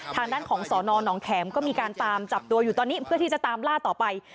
ทางด้านของสอนอนองแขมก็มีการตามจับตัวอยู่ตอนนี้เพื่อที่จะตามล่าต่อไป